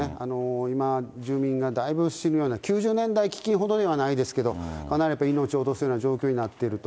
今、住民がだいぶ、９０年代飢饉ほどではないですけど、かなり命を落とすような状況になっていると。